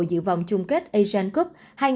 dự vòng chung kết asian cup hai nghìn hai mươi hai